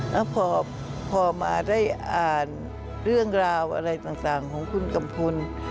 แล้วพอมาได้อ่านเรื่องราวอะไรต่างของคุณกัมพล